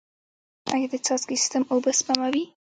آیا د څاڅکي سیستم اوبه سپموي؟